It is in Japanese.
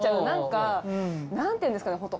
何か何ていうんですかね